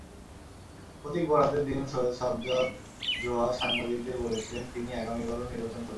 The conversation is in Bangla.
প্রতীক বরাদ্দের দিন সৈয়দ সাজ্জাদ জোহা সাংবাদিকদের বলেছিলেন, তিনি আগামীবারও নির্বাচন করবেন।